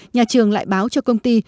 nhà trường lại báo cho công ty